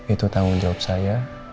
itu tanggung jawab saya